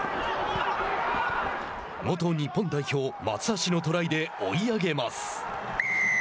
元日本代表、松橋のトライで追い上げます。